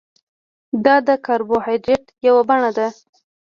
دا د کاربوهایډریټ یوه بڼه ده